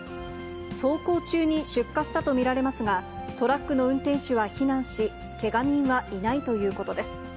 走行中に出火したと見られますが、トラックの運転手は避難し、けが人はいないということです。